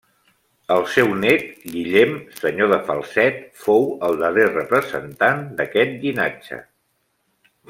El seu nét, Guillem, senyor de Falset, fou el darrer representant d'aquest llinatge.